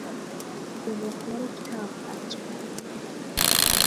به مقدار کم خرج کردن